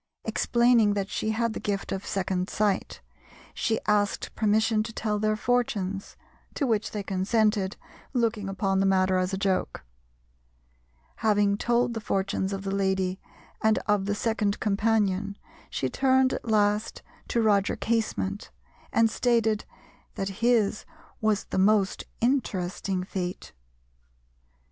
Explaining that she had the gift of second sight, she asked permission to tell their fortunes, to which they consented, looking upon the matter as a joke. Having told the fortunes of the lady and of the second companion, she turned at last to Roger Casement, and stated that his was the most interesting fate.